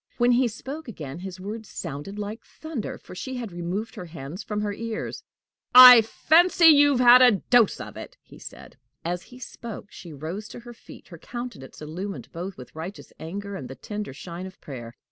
When he spoke again, his words sounded like thunder, for she had removed her hands from her ears. "I fancy you've had a dose of it!" he said. As he spoke, she rose to her feet, her countenance illumined both with righteous anger and the tender shine of prayer.